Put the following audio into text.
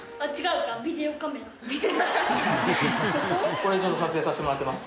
これちょっと撮影させてもらってます。